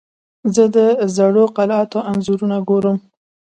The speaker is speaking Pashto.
زه د زړو قلعاتو انځورونه ګورم.